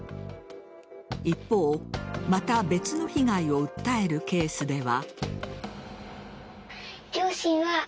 一方、また別の被害を訴えるケースでは。